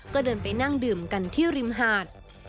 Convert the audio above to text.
ก็เดินไปนั่งดื่มกันที่ริมหาด